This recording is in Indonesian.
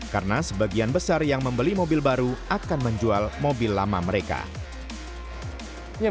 karena sebagian besar yang membeli mobil baru akan menjual mobil lama mereka